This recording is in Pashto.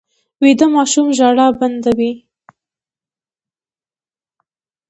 ویده ماشوم ژړا بنده وي